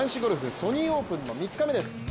ソニー・オープンの３日目です。